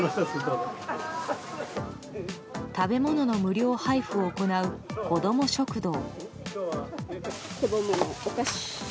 食べ物の無料配布を行うこども食堂。